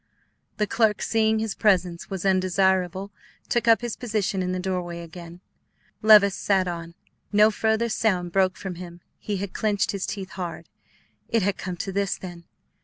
The clerk, seeing his presence was undesirable, took up his position in the doorway again. Levice sat on. No further sound broke from him; he had clinched his teeth hard. It had come to this, then.